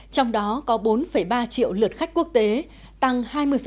trong đó có bốn ba triệu lượt khách quốc tế tăng hai mươi